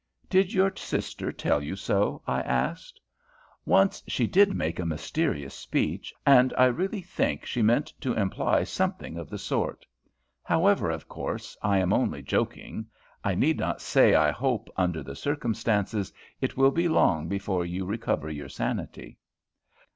"Did your sister tell you so?" I asked. "Once she did make a mysterious speech, and I really think she meant to imply something of the sort. However, of course, I am only joking. I need not say I hope, under the circumstances, it will be long before you recover your sanity."